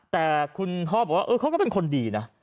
แต่คุณพ่อบอกว่าเขาก็เป็นคนดีนะ